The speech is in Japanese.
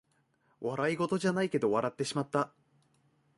笑いごとじゃないけど笑ってしまった